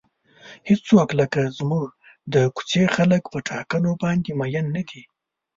هیڅوک لکه زموږ د کوڅې خلک په ټاکنو باندې مین نه دي.